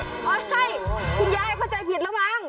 ใช่คุณยายเขาใจผิดแล้วไม่ได้เลย